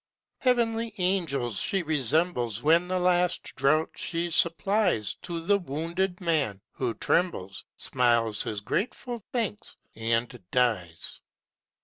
Heavenly angels she resembles When the last draught she supplies To the wounded man, who trembles, Smiles his grateful thanks, and dies.